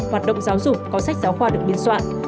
hoạt động giáo dục có sách giáo khoa được biên soạn